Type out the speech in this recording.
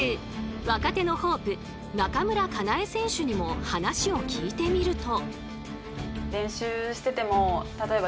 若手のホープ中村かなえ選手にも話を聞いてみると。